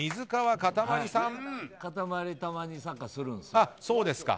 かたまりたまにサッカーするんです。